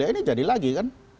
ya ini jadi lagi kan